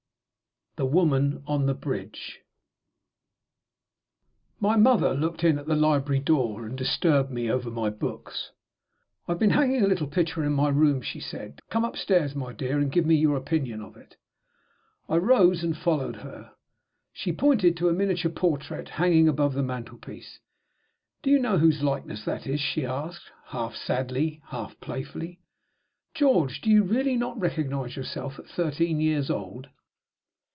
THE WOMAN ON THE BRIDGE. MY mother looked in at the library door, and disturbed me over my books. "I have been hanging a little picture in my room," she said. "Come upstairs, my dear, and give me your opinion of it." I rose and followed her. She pointed to a miniature portrait, hanging above the mantelpiece. "Do you know whose likeness that is?" she asked, half sadly, half playfully. "George! Do you really not recognize yourself at thirteen years old?"